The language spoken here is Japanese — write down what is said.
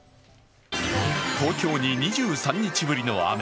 東京に２３日ぶりの雨。